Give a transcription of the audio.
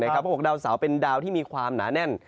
เขาบอกดาวเสาเป็นดาวที่มีความหนาแน่น